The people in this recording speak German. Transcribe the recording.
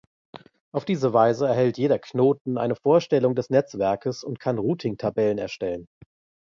Auf diese Weise erhält jeder Knoten eine Vorstellung des Netzwerkes und kann Routingtabellen erstellen.